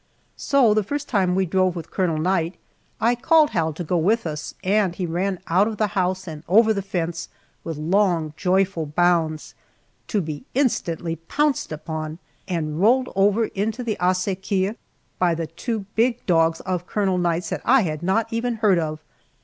So the first time we drove with Colonel Knight I called Hal to go with us and he ran out of the house and over the fence with long joyful bounds, to be instantly pounced upon, and rolled over into the acequia by the two big dogs of Colonel Knight's that I had not even heard of!